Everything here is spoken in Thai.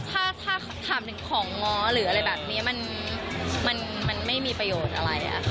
ถ้าถามถึงของง้อหรืออะไรแบบนี้มันไม่มีประโยชน์อะไร